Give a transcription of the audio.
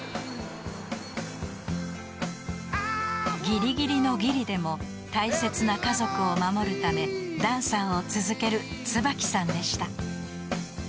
［ギリギリのギリでも大切な家族を守るためダンサーを続けるつばきさんでした］